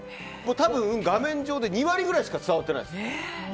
多分、画面上で２割ぐらいしか伝わってないです。